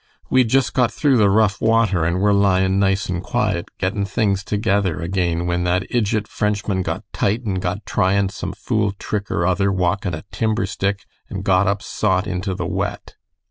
We'd just got through the rough water and were lyin nice and quiet, gettin things together again when that ijit Frenchman got tite and got tryin some fool trick or other walking a timber stick and got upsot into the wet.